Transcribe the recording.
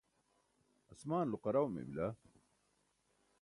asmaanulo qaraw mey bila